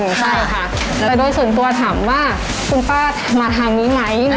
ใช่ค่ะแต่โดยส่วนตัวถามว่าคุณป้ามาทางนี้ไหม